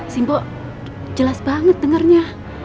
simbo jelas banget dengernya